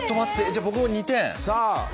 じゃあ僕も２点。